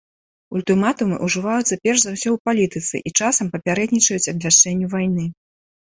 Ультыматумы ўжываюцца перш за ўсё ў палітыцы і часам папярэднічаюць абвяшчэнню вайны.